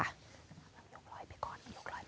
ลองยกลอยไปก่อน